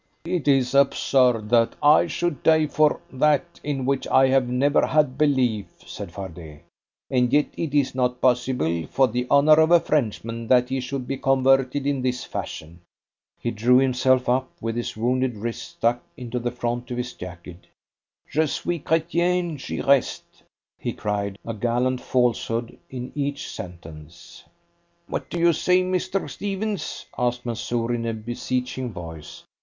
"It is absurd that I should die for that in which I have never had belief," said Fardet. "And yet it is not possible for the honour of a Frenchman that he should be converted in this fashion." He drew himself up, with his wounded wrist stuck into the front of his jacket, "Je suis Chretien. J'y reste," he cried, a gallant falsehood in each sentence. "What do you say, Mr. Stephens?" asked Mansoor in a beseeching voice.